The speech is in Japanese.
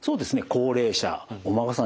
高齢者お孫さん